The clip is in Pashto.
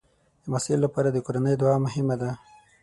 د محصل لپاره د کورنۍ دعا مهمه ده.